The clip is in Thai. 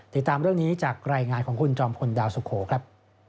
ติดตามเรื่องนี้จากรายงานของคุณจอมพลดาวสุโขครับ